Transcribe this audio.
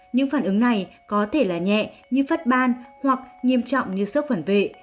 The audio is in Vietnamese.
những phản ứng này có thể là nhẹ như phát ban hoặc nghiêm trọng như sốc phản vệ